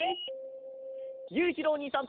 ゆういちろうおにいさんと。